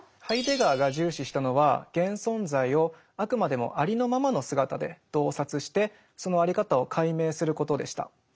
ハイデガーが重視したのは現存在をあくまでもありのままの姿で洞察してそのあり方を解明することでした。